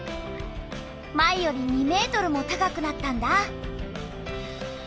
前より２ｍも高くなったんだ。